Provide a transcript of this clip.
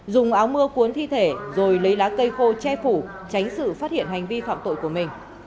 dùng áo mưa cuốn thi thể rồi lấy lá cây khô che phủ tránh sự phát hiện hành vi phạm tội của mình